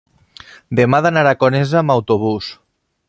demà he d'anar a Conesa amb autobús.